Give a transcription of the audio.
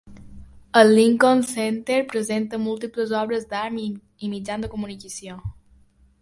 El Lincoln Center presenta múltiples obres d'art i mitjans de comunicació.